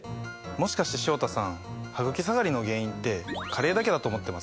もしかして潮田さんハグキ下がりの原因って加齢だけだと思ってます？